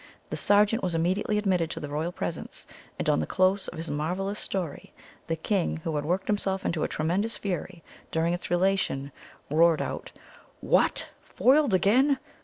The sergeant was immediately admitted to the royal presence, and on the close of his marvellous story the king, who had worked himself into a tremendous fury during its relation, roared out, "What! foiled again?